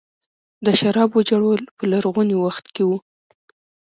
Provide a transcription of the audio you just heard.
د شرابو جوړول په لرغوني وخت کې وو